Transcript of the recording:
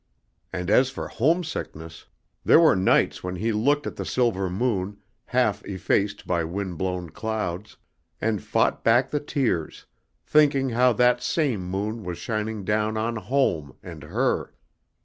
And as for homesickness! There were nights when he looked at the silver moon, half effaced by wind blown clouds, and fought back the tears, thinking how that same moon was shining down on home and her.